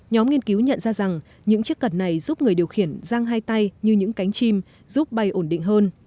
nhóm nghiên cứu nhận ra rằng những chiếc cật này giúp người điều khiển giang hai tay như những cánh chim giúp bay ổn định hơn